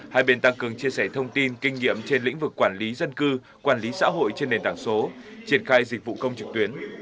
hai bên tăng cường chia sẻ thông tin kinh nghiệm trên lĩnh vực quản lý dân cư quản lý xã hội trên nền tảng số triển khai dịch vụ công trực tuyến